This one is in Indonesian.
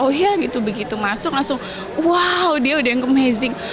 oh iya gitu begitu masuk langsung wow dia udah amazing